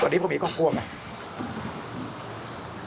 ตอนนี้ผมมีก้อกลัวไหม